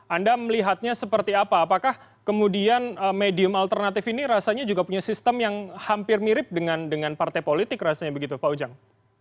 anda melihatnya seperti apa apakah kemudian medium alternatif ini rasanya juga punya sistem yang hampir mirip dengan partai politik rasanya begitu pak ujang